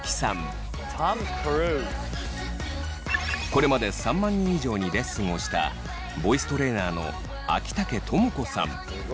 これまで３万人以上にレッスンをしたボイストレーナーの秋竹朋子さん。